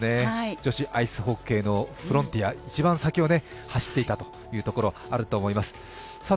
女子アイスホッケーのフロンティア、一番先を歩いていたというのがあると思います。